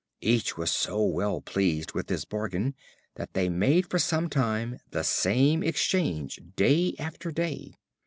Each was so well pleased with his bargain, that they made for some time the same exchange day after day.